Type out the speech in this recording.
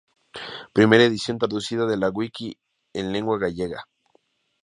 Primera edición traducida de la wiki en lengua gallega.